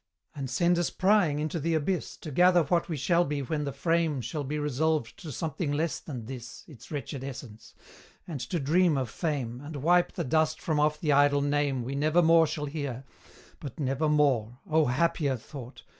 And send us prying into the abyss, To gather what we shall be when the frame Shall be resolved to something less than this Its wretched essence; and to dream of fame, And wipe the dust from off the idle name We never more shall hear, but never more, Oh, happier thought!